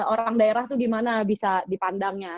orang daerah itu gimana bisa dipandangnya